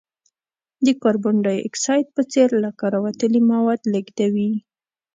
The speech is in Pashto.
د کاربن ډای اکساید په څېر له کاره وتلي مواد لیږدوي.